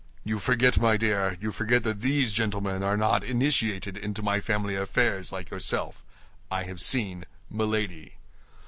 "You forget, my dear, you forget that these gentlemen are not initiated into my family affairs like yourself. I have seen Milady."